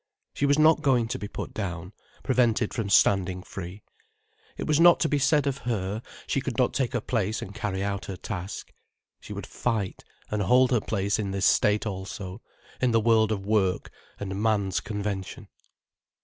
She was not going to be put down, prevented from standing free. It was not to be said of her, she could not take her place and carry out her task. She would fight and hold her place in this state also, in the world of work and man's convention.